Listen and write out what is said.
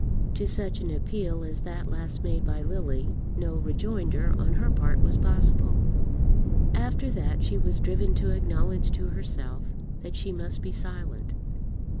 To such an appeal as that last made by Lily no rejoinder on her part was possible. After that she was driven to acknowledge to herself that she must be silent.